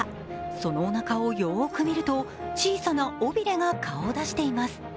そのおなかをよーく見ると、小さな尾びれが顔を出しています。